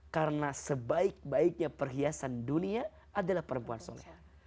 karena sebaik baiknya perhiasan dunia adalah perempuan solehah